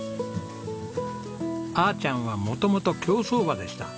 あーちゃんは元々競走馬でした。